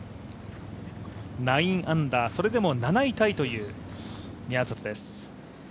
９アンダー、それでも７位タイという宮里です。